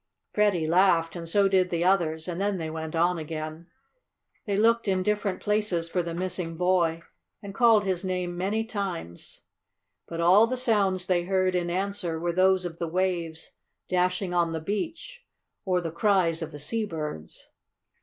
Freddie laughed, and so did the others, and then they went on again. They looked in different places for the missing boy, and called his name many times. But all the sounds they heard in answer were those of the waves dashing on the beach or the cries of the sea birds.